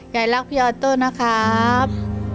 ยายรักพี่ออโต้นะครับ